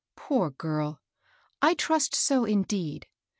" Poor girl I I trust so, indeed.